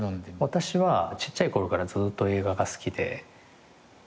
私はちっちゃい頃からずっと映画が好きで。